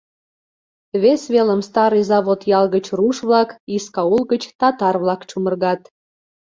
Вес велым Старый Завод ял гыч руш-влак, Искаул гыч татар-влак чумыргат.